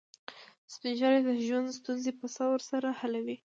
سپین ږیری د ژوند ستونزې په صبر سره حلوي